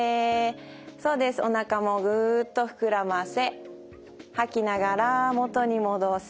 そうですおなかもぐっと膨らませ吐きながら元に戻す。